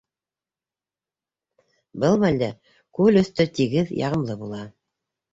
Был мәлдә күл өҫтө тигеҙ, яғымлы була.